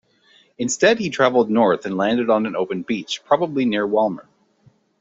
Instead he travelled north and landed on an open beach, probably near Walmer.